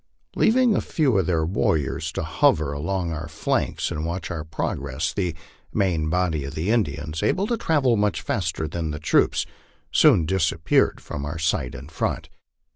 Leaving a few of their warriors to hover along our flanks and watch our progress, the main body of the Indians, able to travel much faster than the troops, soon dis appeared from our sight in front.